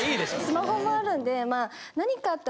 ・スマホもあるんでまあ。